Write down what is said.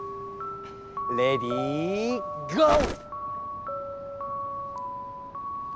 レディーゴー！